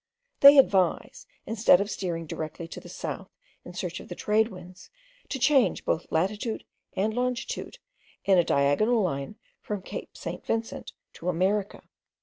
They advise, instead of steering directly to the south in search of the trade winds, to change both latitude and longitude, in a diagonal line from Cape St. Vincent to America.